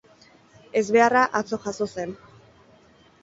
Ezbeharra atzo jazo zen.